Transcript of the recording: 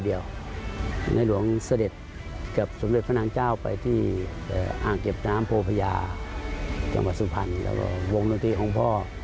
ในหลวงเสด็จกับสมเด็จพระนางเจ้าไปที่อ่างเก็บน้ำโพพญาจังหวัดสุพรรณแล้วก็วงดนตรีของพ่อ